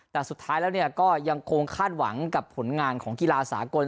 แต่สุดท้ายแล้วก็ยังคงคาดหวังกับผลงานของกีฬาสากล